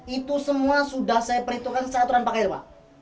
itu semua sudah saya perhitungkan secara aturan pakai pak